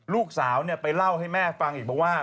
ลูกสาวเนี่ยไปเล่าให้แม่ฟังอีกว่า